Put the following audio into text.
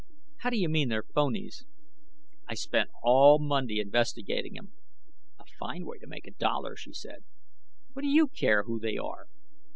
"How do you mean they're phonies?" "I spent all Monday investigating them!" "A fine way to make a dollar," she said. "What do you care who they are?"